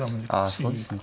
あそうですね